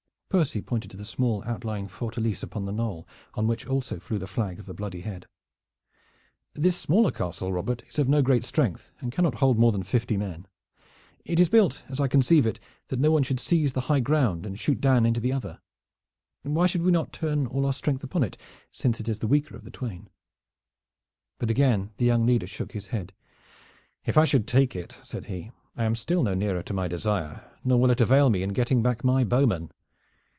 Percy pointed to the small outlying fortalice upon the knoll, on which also flew the flag of the bloody head. "This smaller castle, Robert, is of no great strength and cannot hold more than fifty men. It is built, as I conceive it, that no one should seize the high ground and shoot down into the other. Why should we not turn all our strength upon it, since it is the weaker of the twain?" But again the young leader shook his head. "If I should take it," said he, "I am still no nearer to my desire, nor will it avail me in getting back my bowmen.